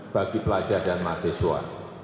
bagi pelajar dan mahasiswa